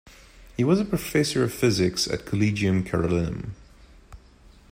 He was a professor of physics at Collegium Carolinum.